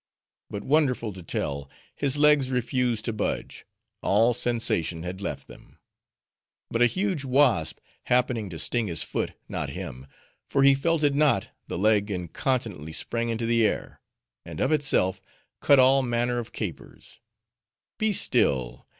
But wonderful to tell, his legs refused to budge; all sensation had left them. But a huge wasp happening to sting his foot, not him, for he felt it not, the leg incontinently sprang into the air, and of itself, cut all manner of capers. Be still!